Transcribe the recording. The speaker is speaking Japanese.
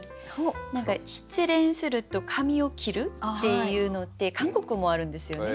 何か失恋すると髪を切るっていうのって韓国もあるんですよね。